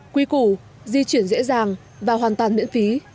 quy củ di chuyển dễ dàng và hoàn toàn miễn phí